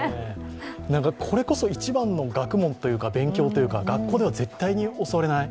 これこそ一番の学問というか、勉強というか学校では絶対に教わらない。